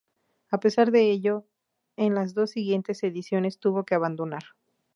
A pesar de ello, en las dos siguientes ediciones tuvo que abandonar.